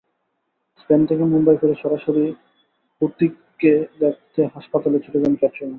Spain থেকে মুম্বাই ফিরে সরাসরি হূতিককে দেখতে হাসপাতালে ছুটে যান ক্যাটরিনা।